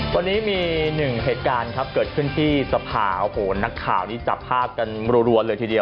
วันนี้มีหนึ่งเหตุการณ์ครับเกิดขึ้นที่สภาโอ้โหนักข่าวนี้จับภาพกันรัวเลยทีเดียว